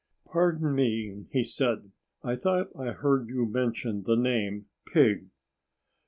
"Pardon me!" he said. "I thought I heard you mention the name, 'Pig'."